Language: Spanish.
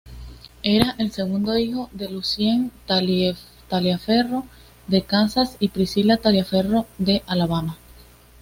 Era el segundo hijo de Lucien Taliaferro, de Kansas y Priscila Taliaferro, de Alabama.